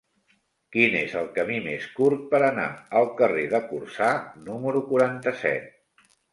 Quin és el camí més curt per anar al carrer de Corçà número quaranta-set?